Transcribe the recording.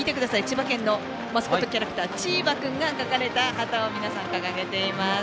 千葉県のマスコットチーバくんが描かれた旗を皆さん、掲げています。